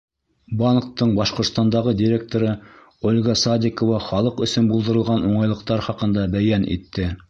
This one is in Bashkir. Банктың Башҡортостандағы директоры Ольга Садиҡова халыҡ өсөн булдырылған уңайлыҡтар хаҡында бәйән итте.